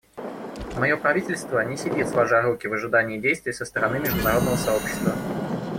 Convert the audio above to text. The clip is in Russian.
Мое правительство не сидит сложа руки в ожидании действий со стороны международного сообщества.